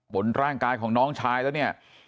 บนร่างกายของน้องชายแล้วเนี่ย